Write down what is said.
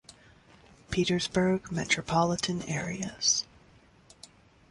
Petersburg metropolitan areas.